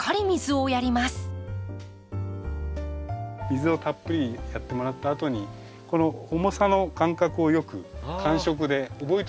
水をたっぷりやってもらったあとにこの重さの感覚をよく感触で覚えといて頂いて。